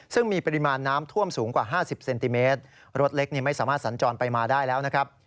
ซึ่งมีปริมาณน้ำท่วมสูงกว่า๕๐เซนติเมตรรถเล็กไม่สามารถสัญจรไปมาได้แล้วนะครับ